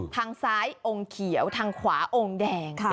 ทางซ้ายองค์เขียวทางขวาองค์แดง